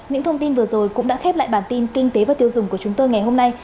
những thông tin vừa rồi cũng đã khép lại bản tin kinh tế và tiêu dùng của chúng tôi ngày hôm nay